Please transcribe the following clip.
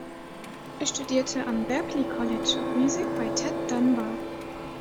Er studierte am Berklee College of Music bei Ted Dunbar.